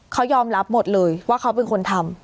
เขายอมรับหมดเลยว่าเขาเป็นคนทำ